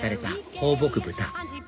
放牧豚